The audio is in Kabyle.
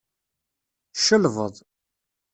Čelbeḍ.